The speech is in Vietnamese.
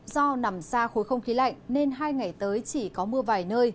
do nằm xa khối không khí lạnh nên hai ngày tới chỉ có mưa vài nơi